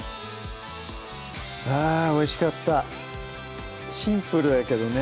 あおいしかったシンプルだけどね